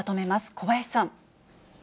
小林さん。